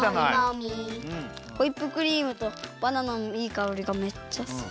ホイップクリームとバナナのいいかおりがめっちゃする。